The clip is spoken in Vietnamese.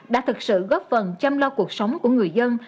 đã thực sự góp phần chăm lo cuộc sống của người dân